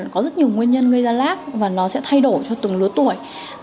có rất nhiều nguyên nhân gây ra lác và nó sẽ thay đổi cho từng lứa tuổi